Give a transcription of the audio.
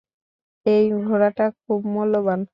এই ঘোড়াটা খুব মূল্যবান।